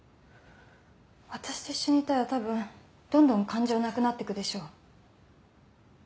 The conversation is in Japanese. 私と一緒にいたらたぶんどんどん感情なくなってくでしょ？